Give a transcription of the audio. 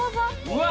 うわ！